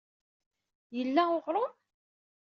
Yella uɣrum?